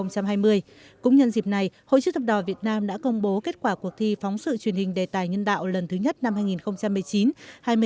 cũng nhân dịp này hội chữ thập đỏ việt nam đã công bố kết quả cuộc thi phóng sự truyền hình đề tài nhân đạo lần thứ nhất năm hai nghìn một mươi chín